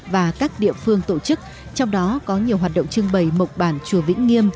và các địa phương tổ chức trong đó có nhiều hoạt động trưng bày mộc bản chùa vĩnh nghiêm